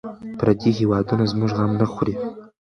پردي هېوادونه زموږ غم نه خوري.